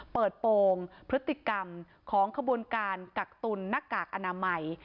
เปิดโปรงพฤติกรรมของขบวนการกักตุลหน้ากากอนามัย